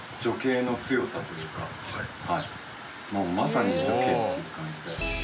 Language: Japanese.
まさに女系っていう感じで。